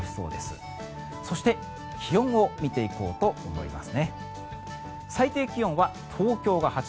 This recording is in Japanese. そして、気温を見ていこうと思います。